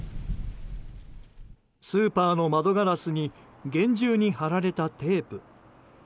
スーパーの窓ガラスに厳重に貼られたテープ。